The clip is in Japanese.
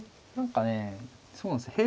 何かねそうなんです。